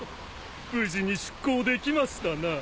無事に出航できましたな。